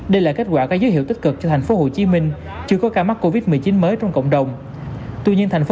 đây là kết quả có dấu hiệu tích cực cho tp hcm chưa có ca mắc covid một mươi chín mới trong cộng đồng